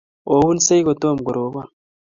ounsei kotom ko robon